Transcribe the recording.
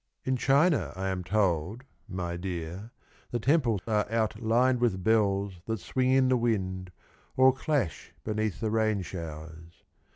In China I am told, my dear, The temples are outlined with bells That swing in the wind, or clash Beneath the rain showers.